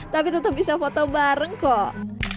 tapi tetap bisa foto bareng kok